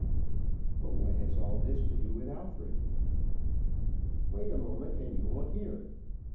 "But what has all this to do with Alfred?" "Wait a moment, and you will hear.